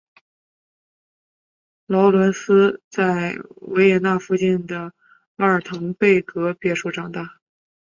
劳伦兹在维也纳附近的阿尔滕贝格别墅长大。